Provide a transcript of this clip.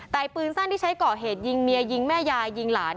แต่ปืนสั้นที่ใช้ก่อเหตุยิงเมียยิงแม่ยายยิงหลาน